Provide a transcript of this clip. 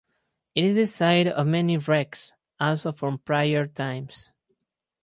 It is the site of many wrecks, also from prior times.